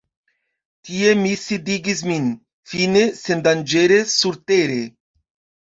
Tie mi sidigis min, fine sendanĝere surtere.